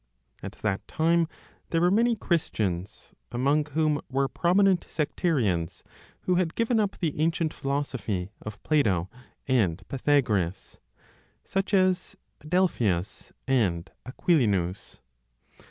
At that time there were many Christians, among whom were prominent sectarians who had given up the ancient philosophy (of Plato and Pythagoras), such as Adelphius and Aquilinus.